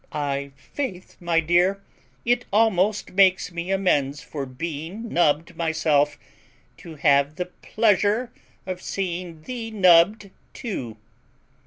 'I faith, my dear, it almost makes me amends for being nubbed myself, to have the pleasure of seeing thee nubbed too."